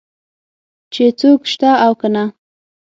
چې څوک شته او که نه.